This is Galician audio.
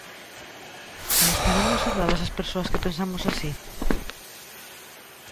E estaremos erradas as persoas que pensamos así?